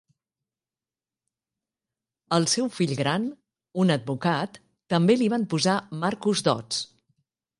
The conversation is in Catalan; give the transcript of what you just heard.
El seu fill gran, un advocat, també li van posar Marcus Dods.